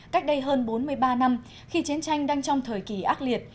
cách đây hơn bốn mươi ba năm khi chiến tranh đang trong thời kỳ ác liệt